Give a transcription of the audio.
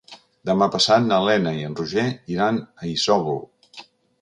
Demà passat na Lena i en Roger iran a Isòvol.